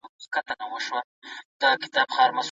که موږ غواړو چې پوه سو نو باید مطالعه وکړو.